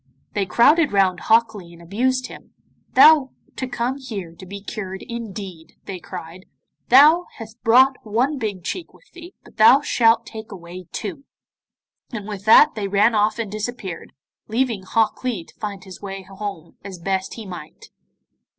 They crowded round Hok Lee and abused him. 'Thou to come here to be cured, indeed!' they cried, 'thou hast brought one big cheek with thee, but thou shalt take away two.' And with that they ran off and disappeared, leaving Hok Lee to find his way home as best he might.